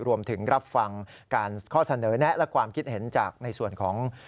รวมถึงรับฟังการข้อเสนอแนะและความคิดเห็นจากในส่วนของ